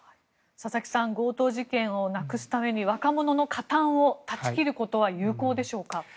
佐々木さん強盗事件をなくすために若者の加担を断ち切ることは有効でしょうか。